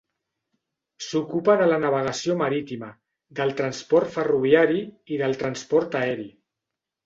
S'ocupa de la navegació marítima, del transport ferroviari i del transport aeri.